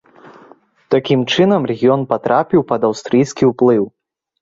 Такім чынам, рэгіён патрапіў пад аўстрыйскі ўплыў.